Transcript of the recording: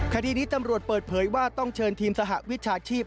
คดีนี้ตำรวจเปิดเผยว่าต้องเชิญทีมสหวิชาชีพ